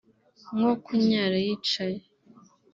nko kunyara yicaye